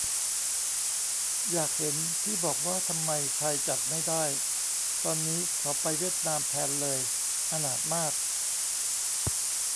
อยากเห็น ที่บอกว่าทำไมไทยจัดไม่ได้ ตอนนี้เขาไปเวียดนามแทนเลย อนาถมาก